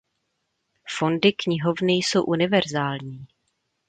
Fondy knihovny jsou univerzální.